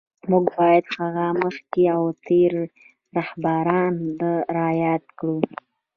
موږ باید هغه مخکښ او تېر رهبران را یاد کړو